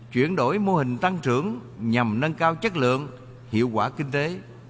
chuyển đổi mô hình tăng trưởng nhằm nâng cao chất lượng hiệu quả kinh tế